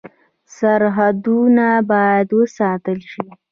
سرحدونه باید وساتل شي